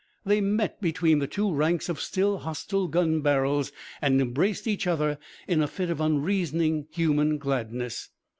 They met between the two ranks of still hostile gun barrels and embraced each other in a fit of unreasoning human gladness.